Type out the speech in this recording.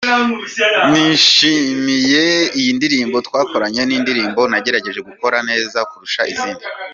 Nishimiye iyi ndirimbo twakoranye, ni indirimbo nagerageje gukora neza kurusha izindi.